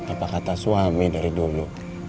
apa kata suami dari dulu